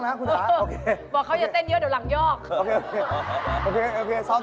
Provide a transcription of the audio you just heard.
อ๋อไลน์แมน